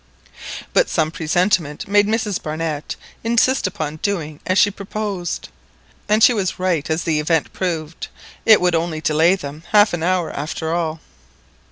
But some presentiment made Mrs Barnett insist upon doing as she proposed, and she was right, as the event proved. It would only delay them half an hour after all.